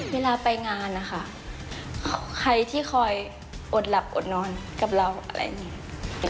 เวลาไปงานนะคะใครที่คอยอดหลับอดนอนกับเราอะไรอย่างนี้